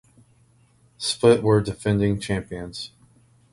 Split were defending champions.